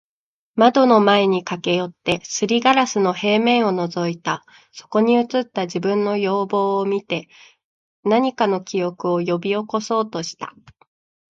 ……窓の前に駈け寄って、磨硝子の平面を覗いた。そこに映った自分の容貌を見て、何かの記憶を喚び起そうとした。